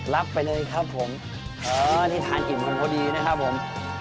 รับไปเลยครับผมที่ทานอิ่มกันพอดีนะครับผม